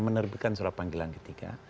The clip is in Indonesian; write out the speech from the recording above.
menerbitkan surat panggilan ketiga